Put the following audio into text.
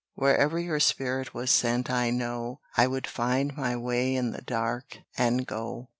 Wherever your spirit was sent I know, I would find my way in the dark, and go.